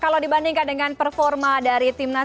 kalau dibandingkan dengan suara saya